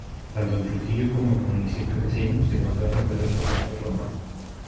Tanto en Trujillo como en municipios vecinos se conservan numerosos restos romanos.